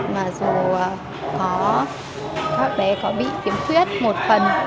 mặc dù có các bé có bị kiếm khuyết một phần